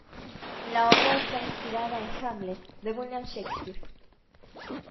La obra está inspirada en "Hamlet" de William Shakespeare.